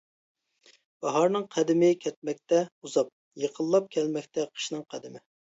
باھارنىڭ قەدىمى كەتمەكتە ئۇزاپ، يېقىنلاپ كەلمەكتە قىشنىڭ قەدىمى.